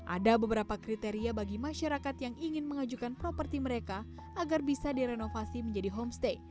ada beberapa kriteria bagi masyarakat yang ingin mengajukan properti mereka agar bisa direnovasi menjadi homestay